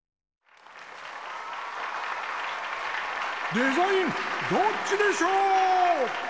「デザインどっちでショー」！